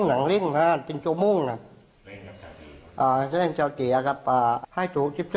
อันนี้น่าจะเลือกแบบที่สุดท่านก็น่าจะเลือก